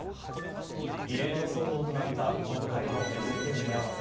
異例の騒動となった、今回の運転見合わせ。